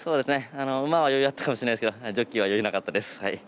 馬は余裕あったかもしれないですけどジョッキーは余裕なかったです。